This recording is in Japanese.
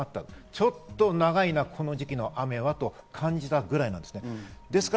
ちょっと長いな、この時期の雨はと感じたぐらいなんですね。